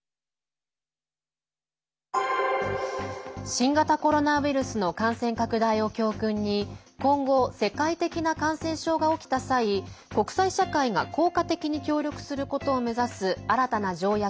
新型コロナウイルスの感染拡大を教訓に今後、世界的な感染症が起きた際国際社会が効果的に協力することを目指す新たな条約